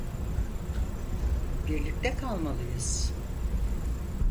Birlikte kalmalıyız.